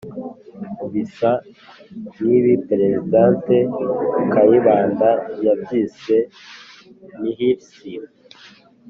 mu bisa nk' ibi president kayibanda yabyise ''nihilisme''.